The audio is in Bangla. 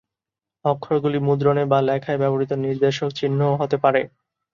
অক্ষরগুলি মুদ্রণে বা লেখায় ব্যবহৃত নির্দেশক চিহ্ন-ও হতে পারে।